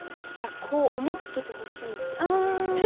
こう思っててほしいです。